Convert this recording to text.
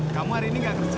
kamu hari ini nggak kerja